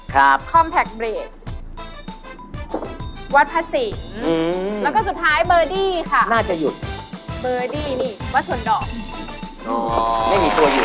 ครับคอมแพคเบรควัดพระสิงอืมแล้วก็สุดท้ายเบอร์ดี้ค่ะ